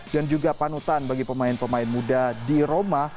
dan juga panutan bagi pemain pemain muda di roma